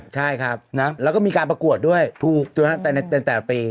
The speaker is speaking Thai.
ใช่ครับแล้วก็มีการประกวดด้วยถูกแต่ในแต่ละปี